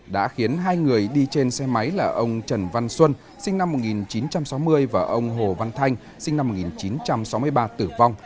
đã khiến hai người đi trên xe máy là ông trần văn xuân sinh năm một nghìn chín trăm sáu mươi và ông hồ văn thanh sinh năm một nghìn chín trăm sáu mươi ba tử vong